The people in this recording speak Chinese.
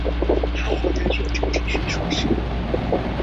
哈佛大学政治学硕士。